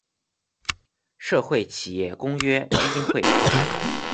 社会企业公约基金会创办人。